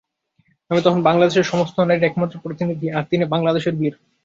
আমি তখন বাংলাদেশের সমস্ত নারীর একমাত্র প্রতিনিধি আর তিনি বাংলাদেশের বীর।